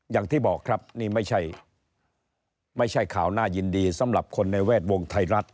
อย่างที่บอกครับนี่ไม่ใช่ข่าวน่ายินดีสำหรับคนในแวดวงไทยรัฐ